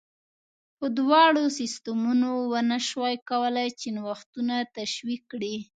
خو دواړو سیستمونو ونه شوای کولای چې نوښتونه تشویق کړي